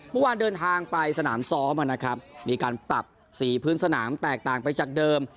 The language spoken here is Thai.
เมื่อวานเดินทางไปสนามซ้อมนะครับมีการปรับสีพื้นสนามแตกต่างไปจากเดิม